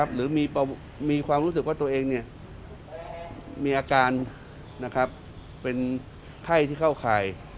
หรือมีความรู้สึกว่าตัวเองมีอาการเป็นไข้ที่เข้าข่าย